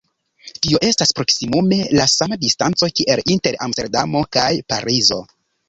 Tio estas proksimume la sama distanco kiel inter Amsterdamo kaj Parizo.